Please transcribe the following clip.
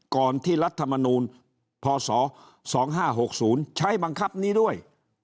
ก่อนที่รัฐมนูลพศ๒๕๖๐ใช้บังคับนี้ด้วย